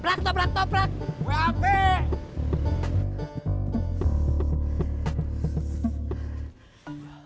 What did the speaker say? brak toh brak toh brak gue hape